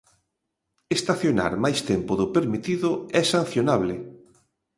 Estacionar máis tempo do permitido é sancionable.